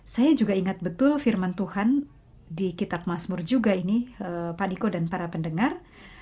saya juga ingat betul firman tuhan di kitab masmur juga ini pak diko dan para pendengar